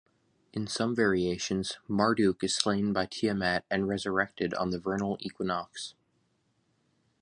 In some variations, Marduk is slain by Tiamat and resurrected on the vernal equinox.